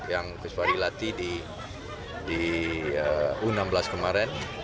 yang kuswari latih di u enam belas kemarin